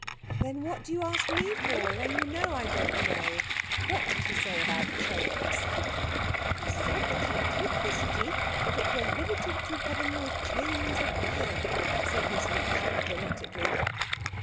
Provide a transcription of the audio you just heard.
"Then what do you ask me for, when you know I don't know? What did he say about chains?" "He said that he'd take the city, if it were rivetted to heaven with chains of iron," said Miss Leech dramatically.